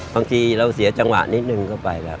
บางทีเราเสียจังหวะนิดนึงเข้าไปแล้ว